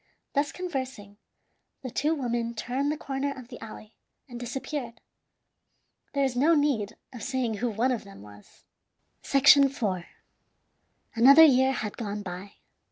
Thus conversing, the two women turned the corner of the alley, and disappeared. There is no need of saying who one of them was. IV. Another year had gone by.